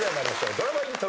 ドラマイントロ。